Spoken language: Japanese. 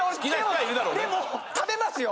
でも食べますよ。